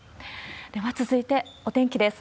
では続いて、お天気です。